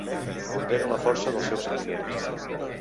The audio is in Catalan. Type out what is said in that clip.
Pondera la força dels seus sentiments.